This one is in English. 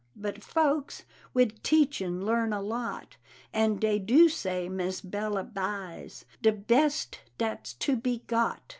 But folks Wid teaching learn a lot, And dey do say Miss Bella buys De best dat's to be got.